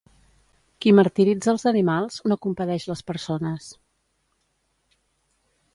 Qui martiritza els animals, no compadeix les persones.